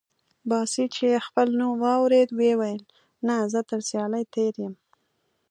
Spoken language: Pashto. باسي چې خپل نوم واورېد وې ویل: نه، زه تر سیالۍ تېر یم.